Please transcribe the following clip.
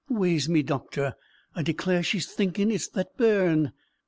"Wae's me, doctor; I declare she's thinkin' it's that bairn."